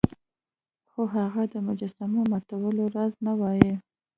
خو هغه د مجسمو ماتولو راز نه وایه.